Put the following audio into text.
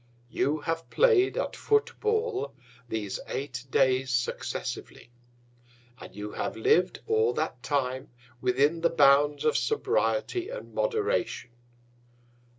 You have play'd at Foot ball these eight Days successively; and you have liv'd all that Time, within the Bounds of Sobriety and Moderation.